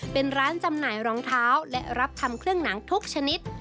เป็นร้านจำหน่ายรองเท้าและรับทำเครื่องหนังทุกชนิด